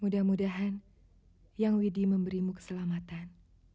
mudah mudahan yang widi memberimu keselamatan